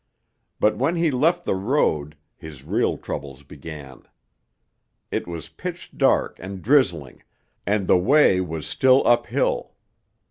But when he left the road, his real troubles began. It was pitch dark and drizzling, and the way was still uphill.